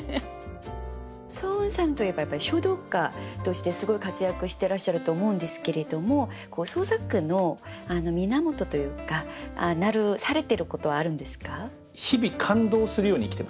双雲さんといえばやっぱり書道家としてすごい活躍してらっしゃると思うんですけれども創作の源というかされてることはあるんですか？